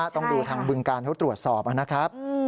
ต้องดูทางบึงการเขาตรวจสอบนะครับ